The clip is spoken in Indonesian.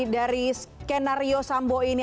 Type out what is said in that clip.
dari skenario sambo ini